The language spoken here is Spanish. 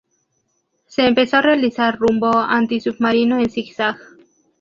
Se empezó a realizar rumbo antisubmarino en zig-zag.